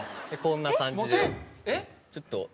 こんな感じでちょっと。